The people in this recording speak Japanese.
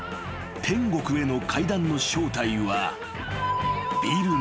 天国への階段の正体は］